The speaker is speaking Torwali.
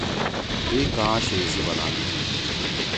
دوئی کآں شئی سی بنا۔